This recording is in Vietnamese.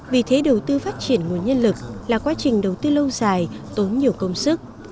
vì thế đầu tư phát triển nguồn nhân lực là quá trình đầu tư lâu dài tốn nhiều công sức